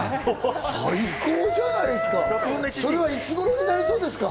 最高じゃないですか！